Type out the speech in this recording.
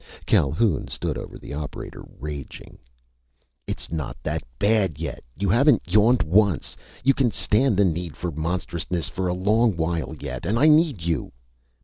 Calhoun stood over the operator, raging: "It's not that bad yet! You haven't yawned once! You can stand the need for monstrousness for a long while yet! And I need you!"